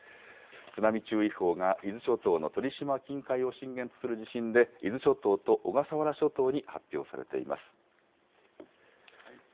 津波注意報が伊豆諸島の鳥島近海を震源とする地震で、伊豆諸島と小笠原諸島に発表されています。